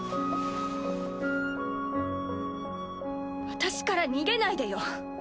私から逃げないでよ。